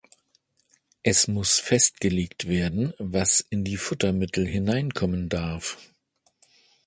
Es muss festgelegt werden, was in die Futtermittel hineinkommen darf.